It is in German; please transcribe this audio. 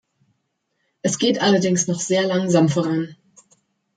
Es geht allerdings noch sehr langsam voran.